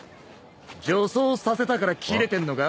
女装させたからキレてんのか？